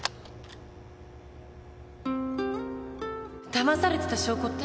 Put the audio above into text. だまされてた証拠って？